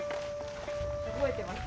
覚えてます？